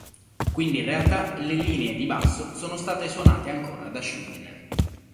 Quindi in realtà le linee di basso sono state suonate ancora da Schuldiner.